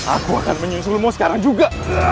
aku akan menyusulmu sekarang juga